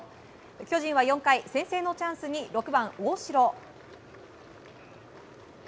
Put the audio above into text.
巨人は４回、先制のチャンスに６番、大城。